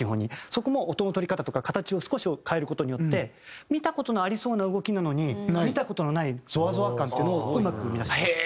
そこも音の取り方とか形を少し変える事によって見た事のありそうな動きなのに見た事のないゾワゾワ感っていうのをうまく生み出しています。